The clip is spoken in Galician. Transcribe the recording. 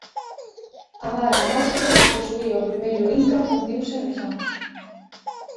A vara máxica que posuía o primeiro Inca fundiuse no chan.